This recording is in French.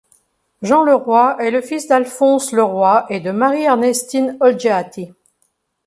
Jean Le Roy est le fils d'Alphonse Le Roy et de Marie Ernestine Olgiati.